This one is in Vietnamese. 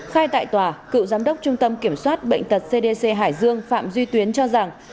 khai tại tòa cựu giám đốc trung tâm kiểm soát bệnh tật cdc hải dương phạm duy tuyến cho rằng